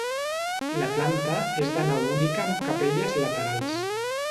La planta és de nau única amb capelles laterals.